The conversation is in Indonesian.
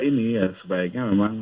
ini sebaiknya memang